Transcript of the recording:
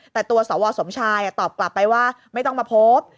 แต่ตัวสวสมชายตอบกลับไปว่าไม่ต้องมาพบ